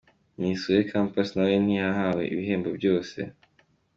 Miss Huye Campus nawe ntiyahawe ibihembo byose .